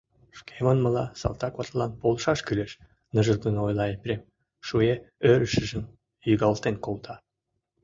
Шке манмыла, салтак ватылан полшаш кӱлеш, — ныжылгын ойла Епрем, шуэ ӧрышыжым йыгалтен колта.